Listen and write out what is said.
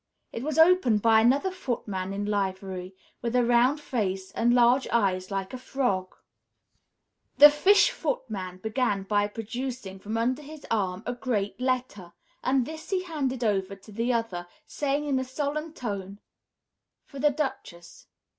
It was opened by another footman in livery, with a round face and large eyes like a frog. The Fish Footman began by producing from under his arm a great letter, and this he handed over to the other, saying, in a solemn tone, "For the Duchess.